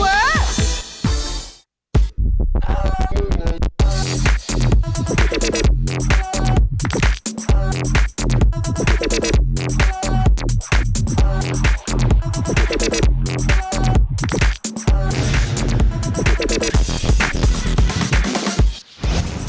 จะมีท่าอะไรบ้างกับช่วงนี้เลยค่ะ